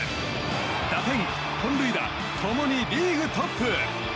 打点、本塁打共にリーグトップ！